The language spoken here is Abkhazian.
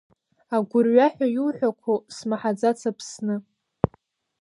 Агәырҩа ҳәа иуҳәақәо, смаҳаӡац Аԥсны!